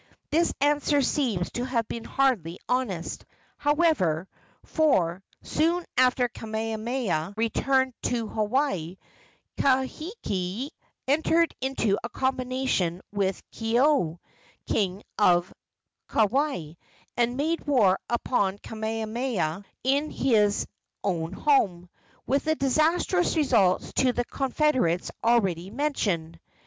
This answer seems to have been hardly honest, however, for, soon after Kamehameha returned to Hawaii, Kahekili entered into a combination with Kaeo, king of Kauai, and made war upon Kamehameha in his own home, with the disastrous results to the confederates already mentioned.